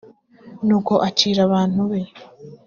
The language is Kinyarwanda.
nuko acira abantu be